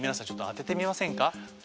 ちょっと当ててみませんか。